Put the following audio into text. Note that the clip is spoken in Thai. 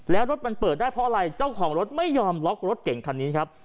แล้วรถมันเปิดได้เพราะอะไรเจ้าของรถไม่ยอมล็อกรถเก่งคันนี้ครับ